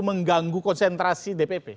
mengganggu konsentrasi dpp